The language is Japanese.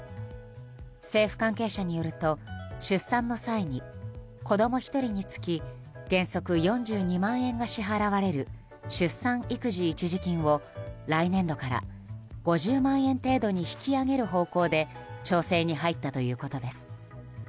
政府関係者によると出産の際に子供１人につき原則４２万円が支払われる出産育児一時金を来年度から５０万円程度に引き上げる方向で調整に入ったということです。